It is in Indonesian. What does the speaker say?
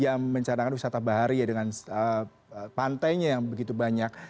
yang mencanangkan wisata bahari dengan pantainya yang begitu banyak